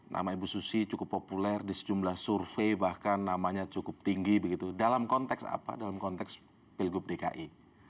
nama ibu susi cukup populer di sejumlah survei bahkan namanya cukup tinggi begitu dalam konteks apa dalam konteks pilgub dki